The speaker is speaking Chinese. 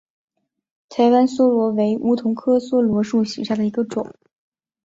台湾梭罗为梧桐科梭罗树属下的一个种。